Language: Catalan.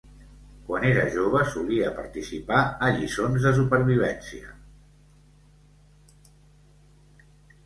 Quan era jove, solia participar a lliçons de supervivència.